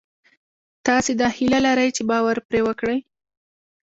تاسې دا هیله لرئ چې باور پرې وکړئ